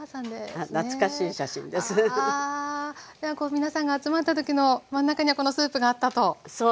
ではこう皆さんが集まった時の真ん中にはこのスープがあったということですか。